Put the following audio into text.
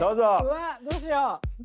うわっどうしよう。